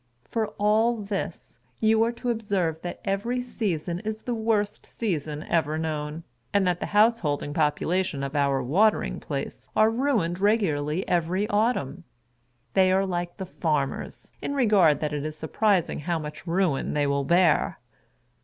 For all this, you are to observe that every season is the worst season ever known, and that the householding population of our Watering Place are ruined regularly every autumn. They are like the farmers, in regard that it is surprising how much ruin they will bear.